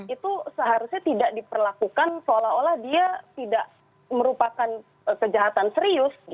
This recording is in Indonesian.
itu seharusnya tidak diperlakukan seolah olah dia tidak merupakan kejahatan serius